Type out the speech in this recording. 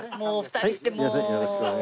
はい。